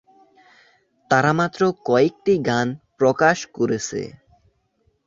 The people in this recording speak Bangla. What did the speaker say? তারা মাত্র কয়েকটি গান প্রকাশ করেছে।